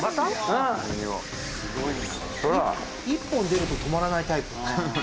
１本出ると止まらないタイプ。